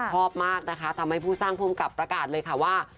ชอบมากนะคะทำให้ผู้สร้างภูมิกับประกาศเลยค่ะว่า